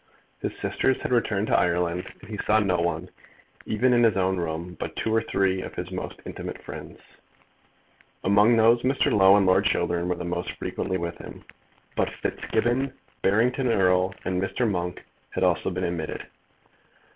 His sisters had returned to Ireland, and he saw no one, even in his own room, but two or three of his most intimate friends. Among those Mr. Low and Lord Chiltern were the most frequently with him, but Fitzgibbon, Barrington Erle, and Mr. Monk had also been admitted.